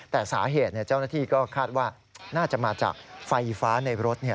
แต่สาเหตุเจ้าหน้าที่ก็คาดว่าน่าจะมาจากไฟฟ้าในรถ